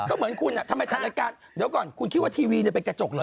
ก็เหมือนคุณทำไมถ่ายรายการเดี๋ยวก่อนคุณคิดว่าทีวีเป็นกระจกเหรอ